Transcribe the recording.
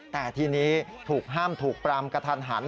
แต่ทีนี้ถูกห้ามถูกปรามกระทันหัน